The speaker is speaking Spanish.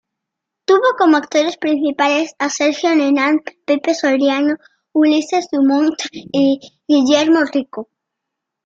Tuvo como actores principales a Sergio Renán, Pepe Soriano, Ulises Dumont y Guillermo Rico.